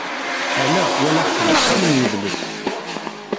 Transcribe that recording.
Ala, walaɣ-tt deg wexxam n yidles.